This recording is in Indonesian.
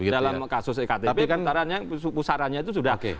dalam kasus ektp pusarannya itu sudah